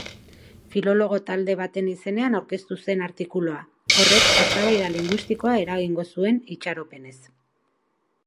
Filologo talde baten izenean aurkeztu zen artikulua, horrek eztabaida linguistikoa eragingo zuen itxaropenez.